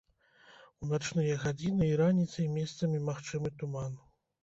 У начныя гадзіны і раніцай месцамі магчымы туман.